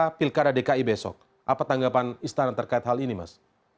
bagaimana pilkada dki besok apa tanggapan istana terkait hal ini mas